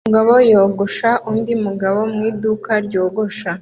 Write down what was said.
Umugabo yogosha undi mugabo mu iduka ryogosha